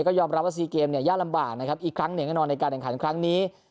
ก็ยอมรับว่า๔เกมเนี่ยยากลำบากนะครับอีกครั้งหนึ่งแน่นอนในการแข่งขันครั้งนี้